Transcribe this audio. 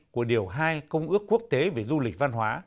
của điều hai công ước quốc tế về du lịch văn hóa